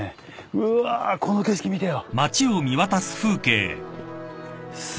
うわこの景色見てよ。